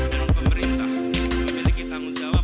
dan pemerintah memiliki tanggung jawab